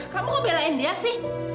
kamu kok belain dia sih